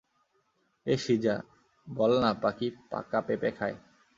এ শীজা, বল না, পাখি পাকা পেঁপে খায়।